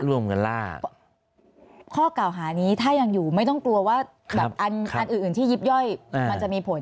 ร่วมกันล่าข้อกล่าวหานี้ถ้ายังอยู่ไม่ต้องกลัวว่าแบบอันอื่นอื่นที่ยิบย่อยมันจะมีผล